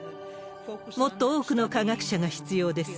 もっと多くの科学者が必要です。